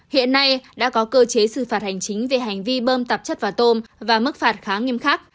hiện nay đã có cơ chế xử phạt hành chính về hành vi bơm tạp chất vào tôm và mức phạt khá nghiêm khắc